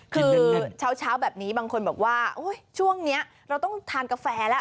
คือเช้าแบบนี้บางคนบอกว่าช่วงนี้เราต้องทานกาแฟแล้ว